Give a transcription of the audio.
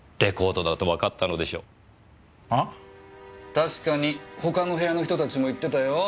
確かに他の部屋の人たちも言ってたよ。